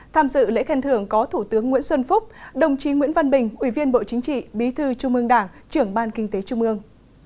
tham dự lễ khen thưởng có thủ tướng nguyễn xuân phúc đồng chí nguyễn văn bình ủy viên bộ chính trị bí thư chung bương đảng trưởng ban kinh tế chung bương